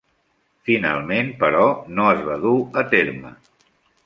Finalment, però, no es va dur a terme.